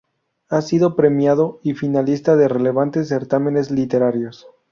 Ha sido premiado y finalista de relevantes certámenes literarios.